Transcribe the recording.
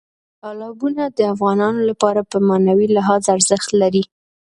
تالابونه د افغانانو لپاره په معنوي لحاظ ارزښت لري.